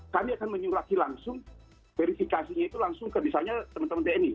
kami akan menyulaki langsung verifikasinya itu langsung ke misalnya teman teman tni